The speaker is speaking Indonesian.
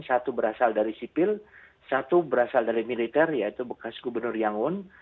satu berasal dari sipil satu berasal dari militer yaitu bekas gubernur yangun